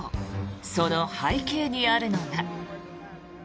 その背景にあるのが。